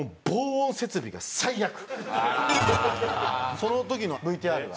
その時のＶＴＲが。